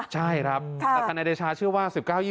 ใช่ครับธนายเดชาเชื่อว่า๑๙๒๐นี้